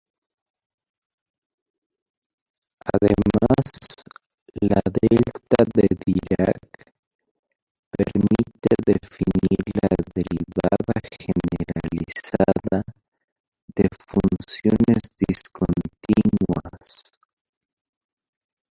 Además, la delta de Dirac permite definir la derivada generalizada de funciones discontinuas.